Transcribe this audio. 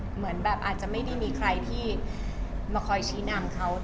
เหมือนแบบอาจจะไม่ได้มีใครที่มาคอยชี้นำเขา